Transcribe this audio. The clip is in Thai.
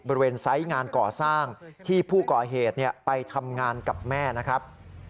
ไซส์งานก่อสร้างที่ผู้ก่อเหตุไปทำงานกับแม่นะครับ